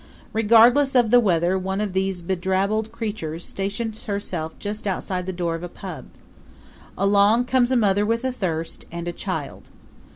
Regardless of the weather one of these bedrabbled creatures stations herself just outside the door of a pub. Along comes a mother with a thirst and a child.